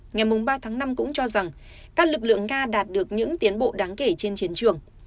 ngày ba tháng năm cũng cho rằng các lực lượng nga đạt được những tiến bộ đáng kể trên chiến trường